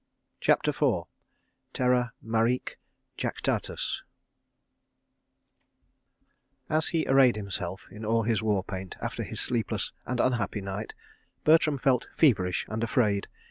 CHAPTER IV Terra Marique Jactatus As he arrayed himself in all his war paint, after his sleepless and unhappy night, Bertram felt feverish, and afraid.